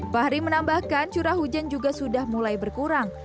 fahri menambahkan curah hujan juga sudah mulai berkurang